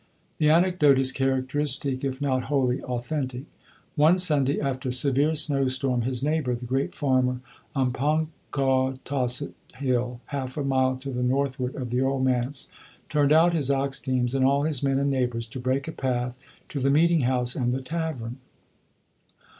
The anecdote is characteristic, if not wholly authentic. One Sunday, after a severe snow storm, his neighbor, the great farmer on Ponkawtassett Hill, half a mile to the northward of the Old Manse, turned out his ox teams and all his men and neighbors to break a path to the meeting house and the tavern.